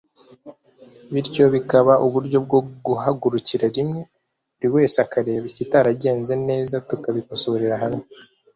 bityo bikaba uburyo bwo guhagurukira rimwe buri wese areba ikitaragenze neza tukabikosorera hamwe”